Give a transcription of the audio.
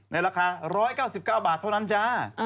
ในราคา๑๙๙บาทเท่านั้นจ้า